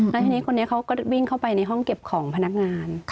แล้วทีนี้คนนี้เขาก็วิ่งเข้าไปในห้องเก็บของพนักงาน